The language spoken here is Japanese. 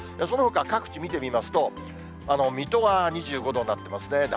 そのほか各地、見てみますと、水戸は２５度になってますね。